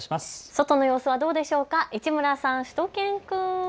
外の様子はどうでしょうか、市村さん、しゅと犬くん。